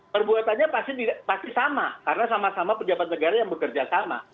perbuatannya pasti sama karena sama sama pejabat negara yang bekerja sama